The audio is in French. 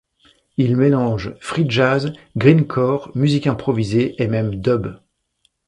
Il mélange free jazz, grindcore, musique improvisée et même dub.